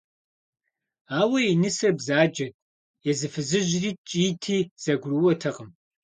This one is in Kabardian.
Ауэ и нысэр бзаджэт, езы фызыжьри ткӏийти зэгурыӏуэтэкъым.